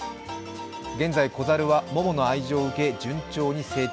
現在、子猿はモモの愛情を受け順調に成長。